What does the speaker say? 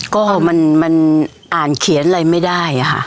ก็มันมันอ่านเขียนหรออะไรไม่ได้อะคะ